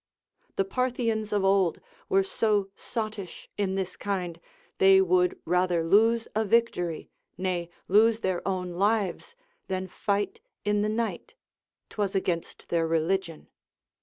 The Parthians of old were so sottish in this kind, they would rather lose a victory, nay lose their own lives, than fight in the night, 'twas against their religion.